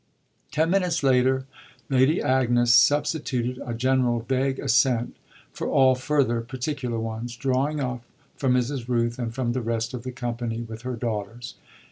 Ten minutes later Lady Agnes substituted a general, vague assent for all further particular ones, drawing off from Mrs. Rooth and from the rest of the company with her daughters.